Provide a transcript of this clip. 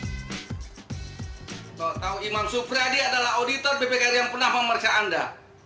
kalau tahu imam supriyadi adalah auditor bpkr yang pernah memeriksa anda